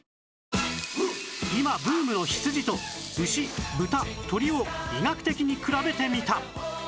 今ブームの羊と牛豚鶏を医学的に比べてみた